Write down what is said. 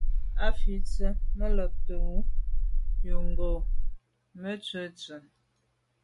A fi tsə. Mə lὰbtə̌ Wʉ̌ yò ghò Mə tswə ntʉ̀n.